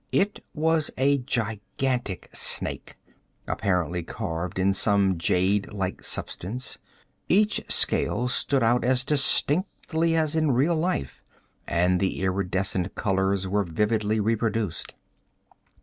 It was a gigantic snake, apparently carved in some jade like substance. Each scale stood out as distinctly as in real life, and the iridescent colors were vividly reproduced.